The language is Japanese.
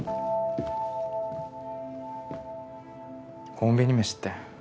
・コンビニ飯って。